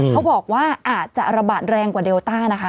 เขาบอกว่าอาจจะระบาดแรงกว่าเดลต้านะคะ